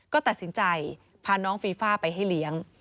ก็ตัดสินใจพาน้องฟีฟ่าไปให้เลี้ยง